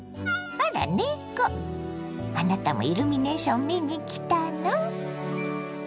あなたもイルミネーション見に来たの？